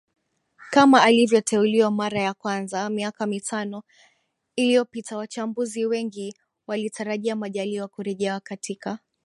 kama alivyoteuliwa mara ya kwanza miaka mitano iliyopita Wachambuzi wengi walitarajia Majaliwa kurejea katika